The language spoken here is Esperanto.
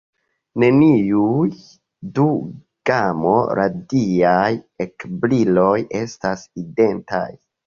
Neniuj du gamo-radiaj ekbriloj estas identaj.